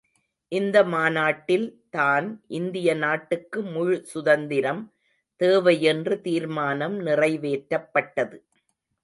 இந்த மாநாட்டில் தான் இந்திய நாட்டுக்கு முழு சுதந்திரம் தேவையென்று தீர்மானம் நிறைவேற்றப்பட்டது.